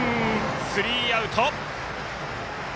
スリーアウト。